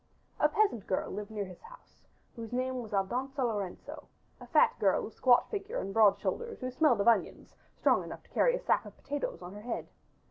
A peasant girl lived near his house whose name was Aldonca Lorenso, a fat girl of squat figure and broad shoulders who smelled of onions, strong enough to carry a sack of potatoes on her head.